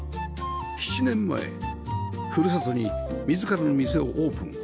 ７年前ふるさとに自らの店をオープン